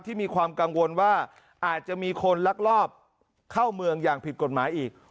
มีความกังวลว่าอาจจะมีคนลักลอบเข้าเมืองอย่างผิดกฎหมายอีก